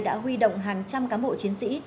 đã huy động hàng trăm cám bộ chiến sĩ